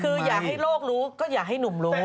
คืออยากให้โลกรู้ก็อย่าให้หนุ่มรู้